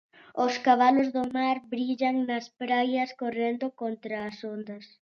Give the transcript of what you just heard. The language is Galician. Os cabalos do mar brillan nas praias correndo contra as ondas.